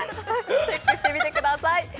チェックしてみてください。